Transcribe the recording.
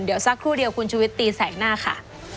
เดี๋ยวสักครู่เดียวคุณชุวิตตีแสกหน้าค่ะ